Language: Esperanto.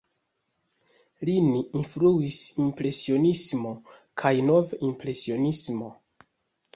Lin influis Impresionismo kaj Nov-impresionismo.